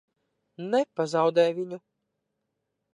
Nepazaudē viņu!